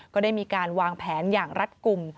ก็ได้มีการวางแผนอย่างรัฐกลุ่ม